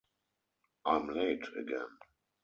I’m late again!